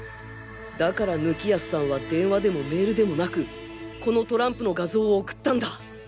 だから貫康さんは電話でもメールでもなくこのトランプの画像を送ったんだ！